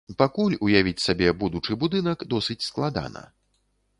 Пакуль уявіць сабе будучы будынак досыць складана.